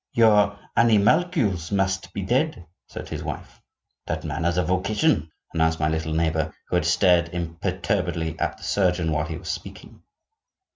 "Your animalcules must be dead," said his wife. "That man has a vocation," announced my little neighbor, who had stared imperturbably at the surgeon while he was speaking.